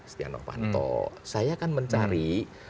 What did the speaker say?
stianor panto saya akan mencari